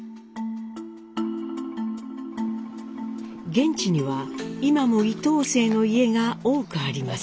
現地には今も伊藤姓の家が多くあります。